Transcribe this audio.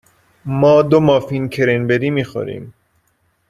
ما دو مافین کرنبری می خوریم.